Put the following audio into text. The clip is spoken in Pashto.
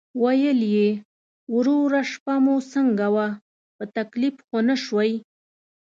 ویل یې: "وروره شپه مو څنګه وه، په تکلیف خو نه شوئ؟"